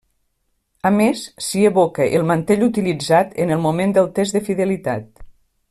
A més, s'hi evoca el mantell utilitzat en el moment del test de fidelitat.